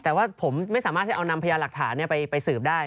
แต่ว่าผมไม่สามารถที่เอานำพยานหลักฐานไปสืบได้